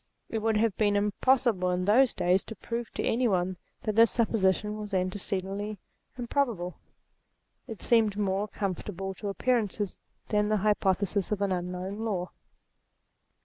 It would have been impossible in those days to prove to any one that this supposition was an tecedently improbable. It seemed more conformable to appearances than the hypothesis of an unknown law.